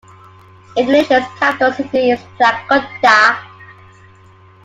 Indonesia's capital city is Jakarta.